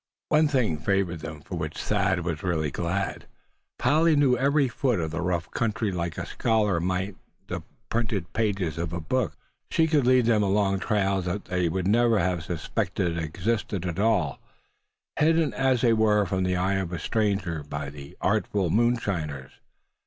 One thing favored them, for which Thad was really glad. Polly knew every foot of the rough country like a scholar might the printed pages of a book. She could lead them along trails that they never would have suspected existed at all, hidden as they were from the eye of a stranger, by the artful moonshiners.